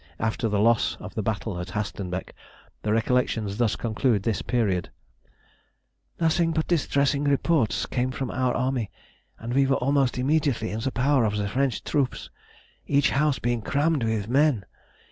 After the loss of the battle at Hastenbeck, the Recollections thus conclude this period. [Sidenote: 1757 1760. Early Recollections.] "Nothing but distressing reports came from our army, and we were almost immediately in the power of the French troops, each house being crammed with men.